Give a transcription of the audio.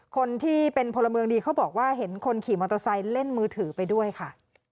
คนที่เป็นพลเมืองดีเขาบอกว่าเห็นคนขี่มอเตอร์ไซค์เล่นมือถือไปด้วยค่ะ